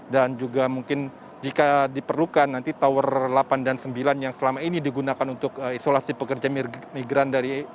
dan juga mungkin jika diperlukan nanti tower delapan dan sembilan yang selama ini digunakan untuk isolasi pekerja migran dari